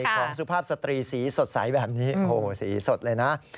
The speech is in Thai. ของสุภาพสตรีสีสดใสแบบนี้โอ้โหสีสดเลยนะ